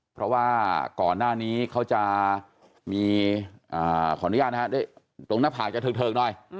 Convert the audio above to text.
เพราะว่าก่อนหน้านี้เขาจะมีขออนุญาตนะฮะตรงหน้าผากจะเทิกหน่อย